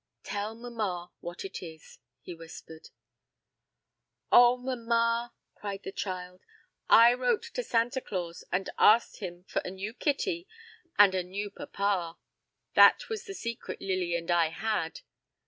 "Tell mamma what it is," he whispered. "Oh, mamma," cried the child, "I wrote to Santa Claus and asked him for a new kitty and a new papa. That was the secret Lily and I had."